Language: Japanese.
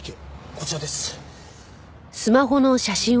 こちらです。